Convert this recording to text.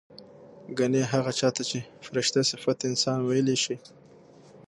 ګنې هغه چا ته چې فرشته صفت انسان وييلی شي